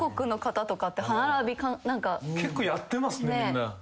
結構やってますねみんな。